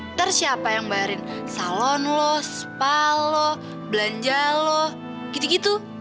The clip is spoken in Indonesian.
ntar siapa yang bayarin salon lo spa lo belanja lo gitu gitu